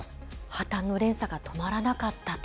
破綻の連鎖が止まらなかったと。